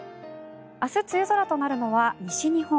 明日、梅雨空となるのは西日本。